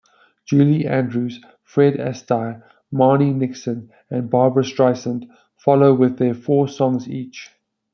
Julie Andrews, Fred Astaire, Marni Nixon, and Barbra Streisand follow with four songs each.